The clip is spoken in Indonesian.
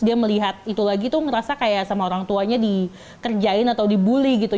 dia melihat itu lagi tuh ngerasa kayak sama orang tuanya dikerjain atau dibully gitu